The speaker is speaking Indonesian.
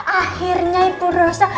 akhirnya itu rosa